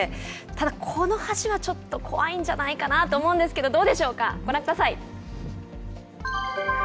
ただ、この橋はちょっと怖いんじゃないかなと思うんですけど、どうでしょうか、ご覧ください。